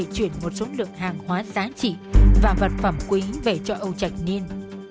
xuất lượng hàng hóa giá trị và vật phẩm quý về cho âu trạch niên